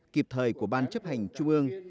kịp thời của ban chấp hành trung ương